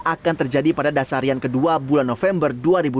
akan terjadi pada dasarian kedua bulan november dua ribu dua puluh